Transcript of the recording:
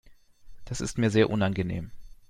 Das ist mir sehr unangenehm.